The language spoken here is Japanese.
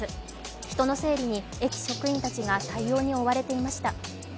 人の整理に駅職員たちが対応に追われていました。